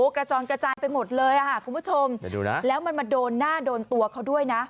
กระจอนกระจายไปหมดเลยคุณผู้ชมเดี๋ยวดูนะแล้วมันมาโดนหน้าโดนตัวเขาด้วยนะ